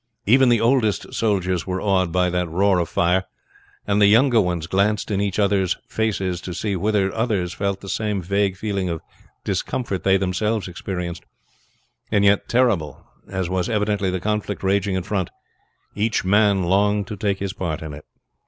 Even the oldest soldiers were awed by that roar of fire, and the younger ones glanced in each other's faces to see whether others felt the same vague feeling of discomfort they themselves experienced; and yet terrible as was evidently the conflict raging in front, each man longed to take his part in it.